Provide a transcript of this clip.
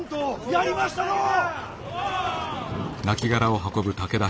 やりましたのう！